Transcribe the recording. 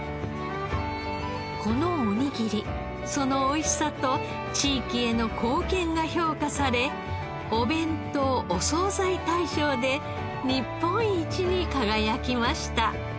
このおにぎりそのおいしさと地域への貢献が評価されお弁当・お惣菜大賞で日本一に輝きました。